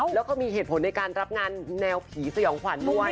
แล้วก็มีเหตุผลในการรับงานแนวผีสยองขวัญด้วย